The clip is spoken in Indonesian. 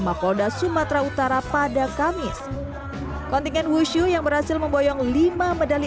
mapolda sumatera utara pada kamis kontingen wushu yang berhasil memboyong lima medali